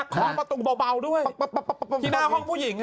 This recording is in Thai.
เคาะประตูเบาด้วยที่หน้าห้องผู้หญิง